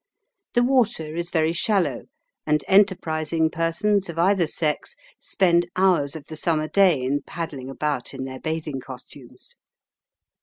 The water is very shallow, and enterprising persons of either sex spend hours of the summer day in paddling about in their bathing costumes.